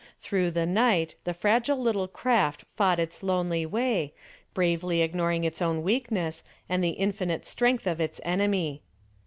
Through the night the fragile little craft fought its lonely way, bravely ignoring its own weakness and the infinite strength of its enemy.